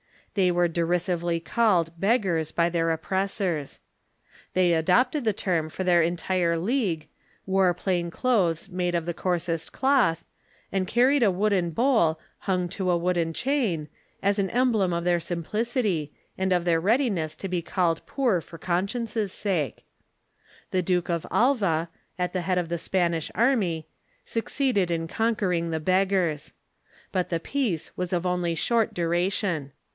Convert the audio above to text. They Avere derisively called " Beg gars " by their oppressors. They adopted the term for their entire league, Avore plain clothes made of the coarsest cloth, and carried a wooden bowl, hung to a wooden chain, as an emblem of their simplicity, and of their readiness to be called poor for conscience' sake. The Duke of Alva, at the head of the Spanish army, succeeded in conquering the Beggars. But the peace Avas of only short duration.